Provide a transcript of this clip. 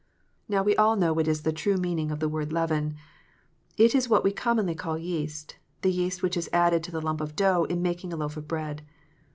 Now we all know what is the true meaning of the word " leaven." It is what we commonly call yeast, the yeast which is added to the lump of dough in making a loaf of bread.